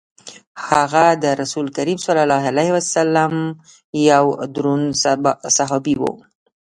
هغه د رسول کریم صلی الله علیه وسلم یو دروند صحابي وو.